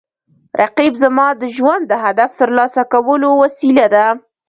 رقیب زما د ژوند د هدف ترلاسه کولو وسیله ده